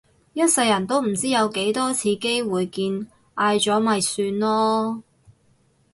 一世人都唔知有幾多次機會見嗌咗咪算囉